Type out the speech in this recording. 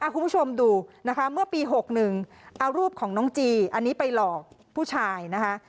คุณผู้ชมดูนะคะเมื่อปี๖๑เอารูปของน้องจีอันนี้ไปหลอกผู้ชายนะคะ